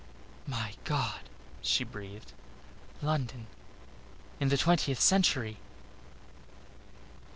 "My God!" she breathed, "London. ... in the twentieth century.